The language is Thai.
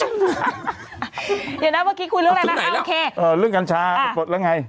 เดี๋ยวนะเมื่อกี้คุยเรื่องอะไรนะคะเอาไงแล้วเอ่อเรื่องกัญชาปรากฏแล้วไง